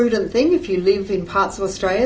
jika anda hidup di bagian australia